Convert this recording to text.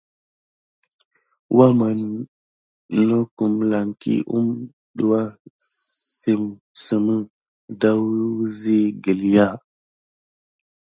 Waman nokum lan ki ump ɗuà sim sime ɗaou wisi gəlya.